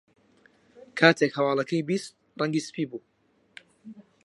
کاتێک هەواڵەکەی بیست، ڕەنگی سپی بوو.